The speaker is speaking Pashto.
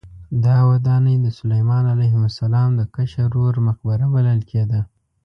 دا ودانۍ د سلیمان علیه السلام د کشر ورور مقبره بلل کېده.